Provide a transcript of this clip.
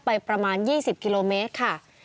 ประมาณ๒๐กิโลเมตรค่ะ